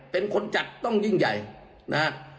เป็นคนจัดต้องยิ่งใหญ่นะฮะ